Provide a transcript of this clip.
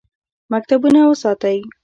مکتبونه وساتئ